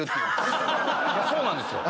そうなんですよ。